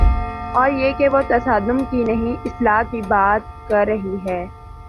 اوریہ کہ وہ تصادم کی نہیں، اصلاح کی بات کررہی ہے۔